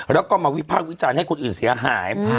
แล้วก็มาวิพากษ์วิจารณ์ให้คนอื่นเสียหาย